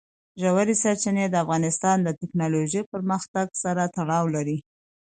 ژورې سرچینې د افغانستان د تکنالوژۍ پرمختګ سره تړاو لري.